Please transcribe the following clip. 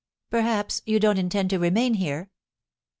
Perhaps you don't intend to remain here.